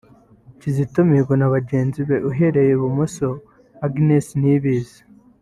Kizito Mihigo na bagenzi be (uhereye ibumoso Agnes Niyibizi